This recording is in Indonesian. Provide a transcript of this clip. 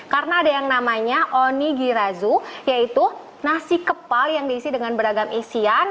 karena ada yang namanya onigirazu yaitu nasi kepal yang diisi dengan beragam isian